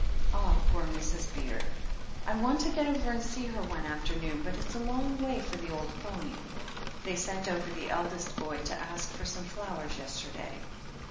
"Ah, poor Mrs. Beer. I want to get over and see her one afternoon, but it's a long way for the old pony. They sent over the eldest boy to ask for some flowers yesterday."